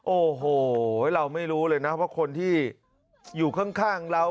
โอ้โหเราไม่รู้เลยนะว่าคนที่อยู่ข้างเรา